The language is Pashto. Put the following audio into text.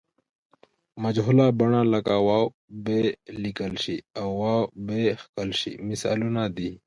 مجهوله بڼه لکه و به لیکل شي او و به کښل شي مثالونه دي.